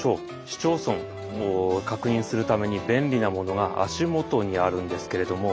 市町村を確認するために便利なものが足元にあるんですけれども。